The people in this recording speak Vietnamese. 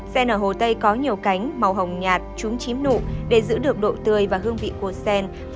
sen ở hồ tây có nhiều cánh màu hồng nhạt trúng chím nụ để giữ được độ tươi và hương vị của sen